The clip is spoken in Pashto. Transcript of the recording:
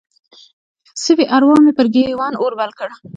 سوي اروا مې پر ګریوان اور بل کړ